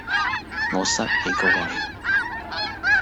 我塞你個胃!